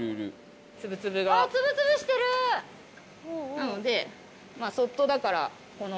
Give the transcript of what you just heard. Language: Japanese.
なのでそっとだからこの。